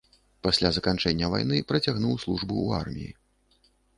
Пасля заканчэння вайны працягнуў службу ў арміі.